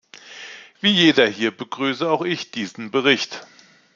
Wie jeder hier begrüße auch ich diesen Bericht.